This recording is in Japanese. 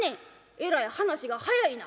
「えらい話が早いな」。